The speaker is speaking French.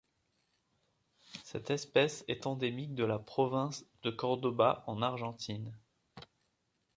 Cette espèce est endémique de la province de Córdoba en Argentine.